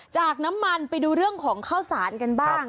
จากน้ำมันไปดูเรื่องของข้าวสารกันบ้าง